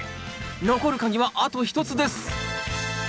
残る鍵はあと１つです